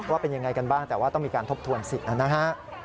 ว่าเป็นยังไงกันบ้างแต่ว่าต้องมีการทบทวนสิทธิ์นะฮะ